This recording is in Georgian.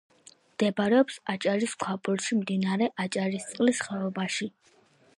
მდებარეობს აჭარის ქვაბულში, მდინარე აჭარისწყლის ხეობაში.